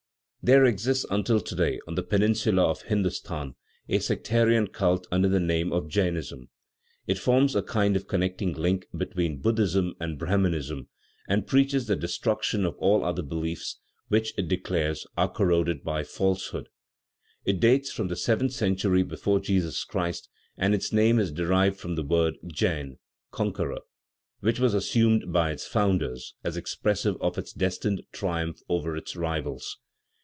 There exists until today, on the peninsula of Hindustan, a sectarian cult under the name of Djainism. It forms a kind of connecting link between Buddhism and Brahminism, and preaches the destruction of all other beliefs, which, it declares, are corroded by falsehood. It dates from the seventh century before Jesus Christ and its name is derived from the word "djain" (conqueror), which was assumed by its founders as expressive of its destined triumph over its rivals.